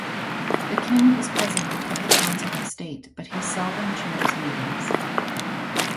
The King is president of the Council of State but he seldom chairs meetings.